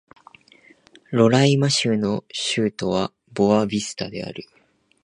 ロライマ州の州都はボア・ヴィスタである